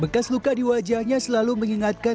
bekas luka di wajahnya selalu mengingatkan